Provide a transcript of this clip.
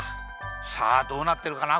さあどうなってるかな？